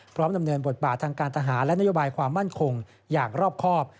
ดำเนินบทบาททางการทหารและนโยบายความมั่นคงอย่างรอบครอบ